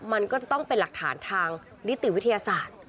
มันก็จะต้องเป็นหลักฐานทางนิติวิทยาศาสตร์